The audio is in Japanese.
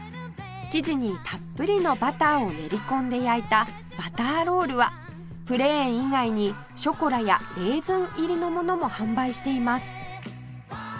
生地にたっぷりのバターを練り込んで焼いたバターロールはプレーン以外にショコラやレーズン入りのものも販売しています